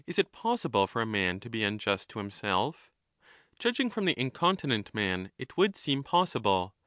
II95'' MAGNA MORALIA it possible for a man to be unjust to himself? Judging from the incontinent man it would seem possible.